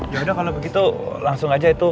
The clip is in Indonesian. ya udah kalau begitu langsung aja itu